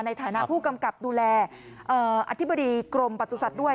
ในฐานะผู้กำกับดูแลอธิบดีกรมประสุทธิ์ด้วย